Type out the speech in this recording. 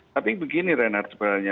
tapi begini renard sebenarnya